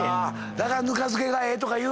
だからぬか漬けがええとか。